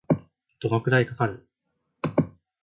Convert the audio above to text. どのくらいかかる